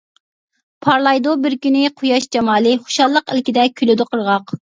پارلايدۇ بىر كۈنى قۇياش جامالى، خۇشاللىق ئىلكىدە كۈلىدۇ قىرغاق.